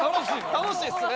楽しいっすね！